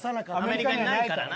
アメリカにないからな。